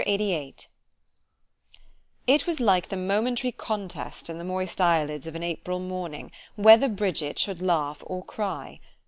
LXXXVIII IT was like the momentary contest in the moist eye lids of an April morning, "Whether Bridget should laugh or cry."